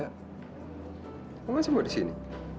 kamu masih mau di sini